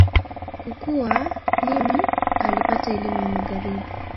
Kukua, Nimr alipata elimu ya Magharibi.